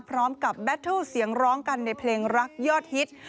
แบตเทิลเสียงร้องกันในเพลงรักยอดฮิต